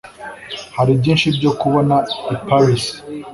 Hari byinshi byo kubona i Paris